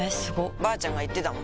ばあちゃんが言ってたもん